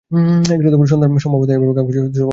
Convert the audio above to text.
সম্ভবত এভাবে কাউকে জোর করে গল্প শুনাতে সে মজা পায়, বেচারা!